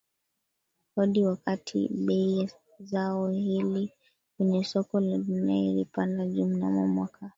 kodi wakati bei ya zao hili kwenye soko la dunia ilipanda juu Mnamo mwaka